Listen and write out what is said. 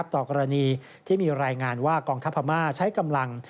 ต่อกรณีที่มีรายงานว่ากองทัพพม่าใช้กำลัง